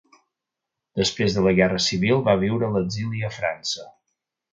Després de la Guerra Civil va viure a l'exili a França.